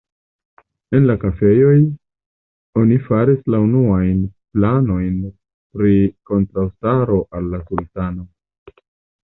En la kafejoj, oni faris la unuajn planojn pri kontraŭstaro al la sultano.